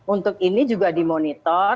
untuk ini juga dimonitor